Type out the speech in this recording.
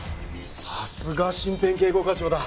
さすが身辺警護課長だ。